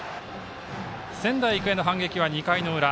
仙台育英の反撃は２回の裏。